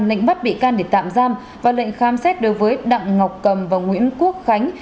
lệnh bắt bị can để tạm giam và lệnh khám xét đối với đặng ngọc cầm và nguyễn quốc khánh